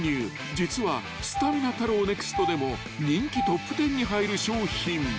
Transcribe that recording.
実はすたみな太郎ＮＥＸＴでも人気トップ１０に入る商品］